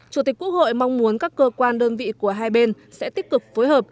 chủ tịch quốc hội mong muốn các cơ quan đơn vị của hai bên sẽ tích cực phối hợp